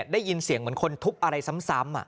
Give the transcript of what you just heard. ได้ยินเสียงเหมือนคนทุบอะไรซ้ำ